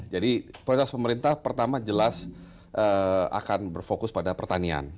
jadi prioritas pemerintah pertama jelas akan berfokus pada pertanian